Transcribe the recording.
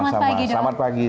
selamat pagi dok